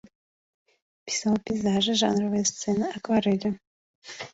Пісаў пейзажы, жанравыя сцэны, акварэлі.